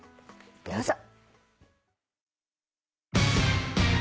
どうぞ。